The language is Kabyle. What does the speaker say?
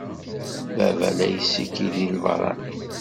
Baba la yessikil deg lbeṛṛani.